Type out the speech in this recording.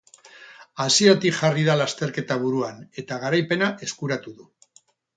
Hasieratik jarri da lasterketa buruan eta garaipena eskuratu du.